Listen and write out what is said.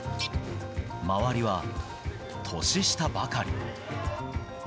周りは年下ばかり。